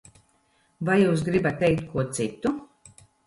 Vai jūs gribat teikt ko citu?